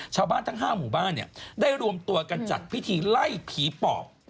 ชาวบ้านทั้ง๕หมู่บ้านได้รวมตัวกันจัดพิธีไล่ผีปอบ